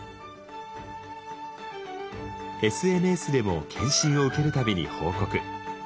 ＳＮＳでも検診を受ける度に報告。